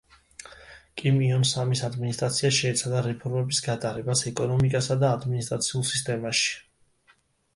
კიმ იონ სამის ადმინისტრაცია შეეცადა რეფორმების გატარებას ეკონომიკასა და ადმინისტრაციულ სისტემაში.